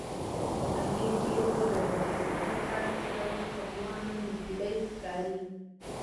علي ډېر وږی دی ځکه هره ښځه ورته ځوانه نجیلۍ ښکاري.